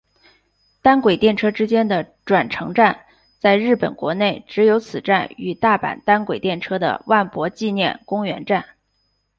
单轨电车之间的转乘站在日本国内只有此站与大阪单轨电车的万博纪念公园站。